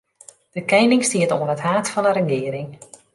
De kening stiet oan it haad fan 'e regearing.